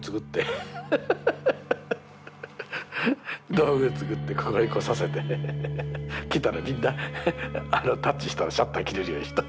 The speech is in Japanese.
道具作ってここへ来させて来たらみんなタッチしたらシャッター切れるようにした。